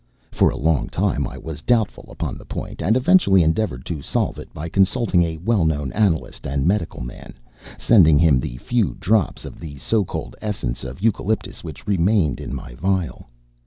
For a long time I was doubtful upon the point, and eventually endeavoured to solve it by consulting a well known analyst and medical man, sending him the few drops of the so called essence of Lucoptolycus which remained in my phial.